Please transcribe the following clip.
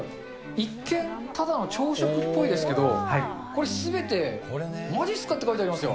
一見、ただの朝食っぽいですけど、これ、すべてまじっすかって書いてありますよ。